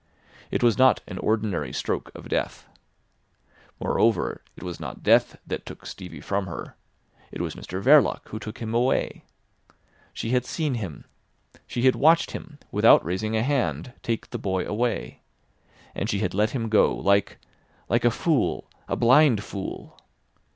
It was not an ordinary stroke of death. Moreover, it was not death that took Stevie from her. It was Mr Verloc who took him away. She had seen him. She had watched him, without raising a hand, take the boy away. And she had let him go, like—like a fool—a blind fool.